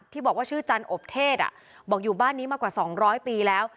ที่บอกว่าชื่อจรรย์อบเทศอ่ะบอกอยู่บ้านนี้มากว่าสองร้อยปีแล้ว